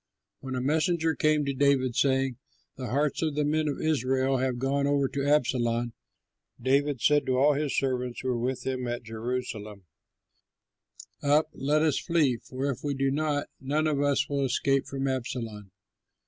When a messenger came to David, saying, "The hearts of the men of Israel have gone over to Absalom," David said to all his servants who were with him at Jerusalem, "Up, let us flee; for, if we do not, none of us will escape from Absalom.